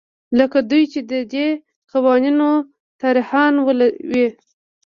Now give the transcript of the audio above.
لکه دوی چې د دې قوانینو طراحان وي.